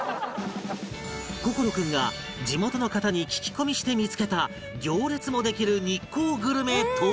心君が地元の方に聞き込みして見つけた行列もできる日光グルメとは？